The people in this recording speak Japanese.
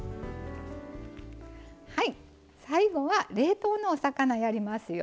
はい最後は冷凍のお魚やりますよ。